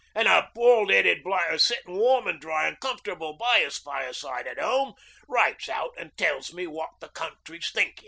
An' a bald 'eaded blighter sittin' warm an' dry an' comfortable by 'is fireside at 'ome writes out an' tells me what the Country's thinkin'.